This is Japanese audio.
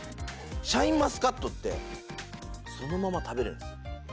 シャインマスカットってそのまま食べれるんです。